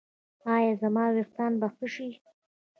ایا زما ویښتان به ښه شي؟